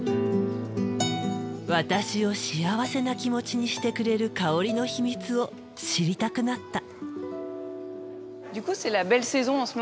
私を幸せな気持ちにしてくれる香りの秘密を知りたくなった。